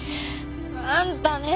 あんたね。